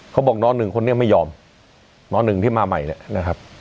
เขาบอกนหนึ่งคนนี้ไม่ยอมนหนึ่งที่มาใหม่เนี่ยนะครับ